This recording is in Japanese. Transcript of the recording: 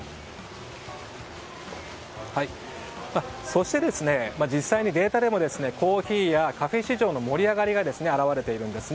そして、実際にデータでもコーヒーやカフェ市場の盛り上がりが表れているんです。